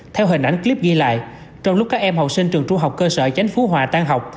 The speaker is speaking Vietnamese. theo hình ảnh clip ghi lại trong lúc các em học sinh trường trung học cơ sở chánh phú hòa tan học